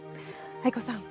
藍子さん